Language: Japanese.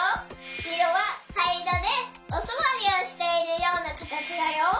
いろははいいろでおすわりをしているようなかたちだよ。